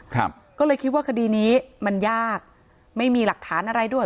ครับก็เลยคิดว่าคดีนี้มันยากไม่มีหลักฐานอะไรด้วย